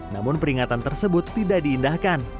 namun peringatan tersebut tidak diindahkan